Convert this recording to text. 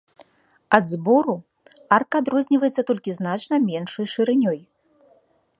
Ад збору арка адрозніваецца толькі значна меншай шырынёй.